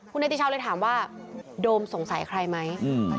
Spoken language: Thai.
เนติชาวเลยถามว่าโดมสงสัยใครไหม